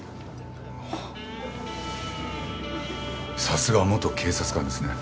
さすが元警察官ですね。